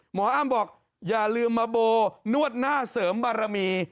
อ้ำบอกอย่าลืมมาโบนวดหน้าเสริมบารมี